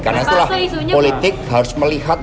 karena itulah politik harus melihat